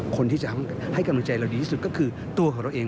คนที่จะให้กำลังใจเราดีที่สุดก็คือตัวของเราเอง